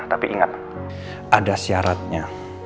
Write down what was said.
tapi ingat ada syaratnya